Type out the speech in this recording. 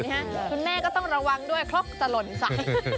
คุณแม่ก็ต้องระวังด้วยครกสล่นใส่